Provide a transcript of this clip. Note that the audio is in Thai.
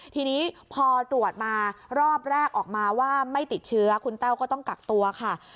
ทีนี้พอตรวจมารอบแรกออกมาว่าไม่ติดเชื้อคุณแต้วก็ต้องกักตัวค่ะ